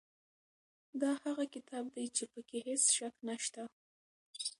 دا هغه کتاب دی چې په کې هیڅ شک نشته.